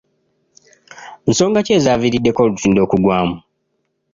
Nsonga ki ezaaviiriddeko olutindo okugwamu?